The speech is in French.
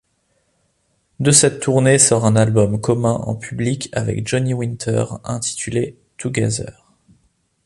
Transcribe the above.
De cette tournée sort un album commun en public avec Johnny Winter intitulé Together.